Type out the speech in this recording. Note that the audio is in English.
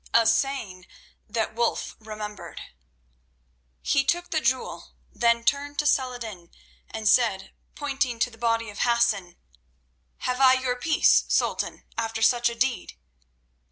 a saying that Wulf remembered. He took the jewel, then turned to Saladin and said, pointing to the dead body of Hassan: "Have I your peace, Sultan, after such a deed?"